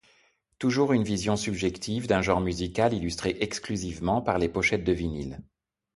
Toujours une vision subjective d’un genre musical illustré exclusivement par les pochettes de vinyls.